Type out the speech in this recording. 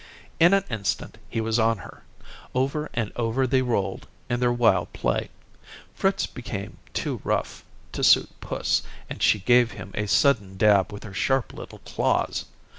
In an instant he was on her. Over and over they rolled in their wild play. Fritz became too rough to suit puss, and she gave him a sudden dab with her sharp little claws.